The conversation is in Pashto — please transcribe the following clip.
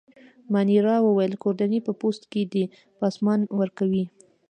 مانیرا وویل: ګوردیني په پوسته کي دی، پاسمان ورکوي.